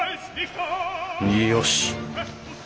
よし。